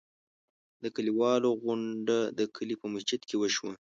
د کلیوالو غونډه د کلي په مسجد کې وشوه.